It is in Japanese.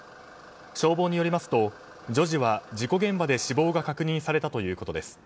消防によりますと女児は事故現場で死亡が確認されたということです。